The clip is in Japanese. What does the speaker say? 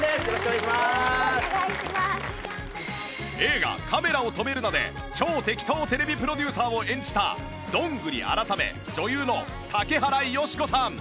映画『カメラを止めるな！』で超テキトー ＴＶ プロデューサーを演じたどんぐり改め女優の竹原芳子さん６２歳